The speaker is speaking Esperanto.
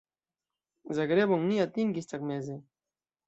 Zagrebon ni atingis tagmeze.